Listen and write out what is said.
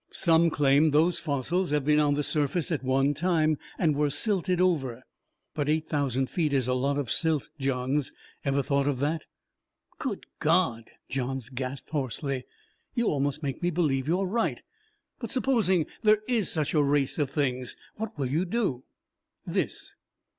Some claim those fossils have been on the surface at one time, and were silted over. But eight thousand feet is a lot of silt, Johns: ever thought of that?" "Good God!" Johns gasped hoarsely. "You almost make me believe you are right. But, supposing there is such a race of things what will you do?" "This."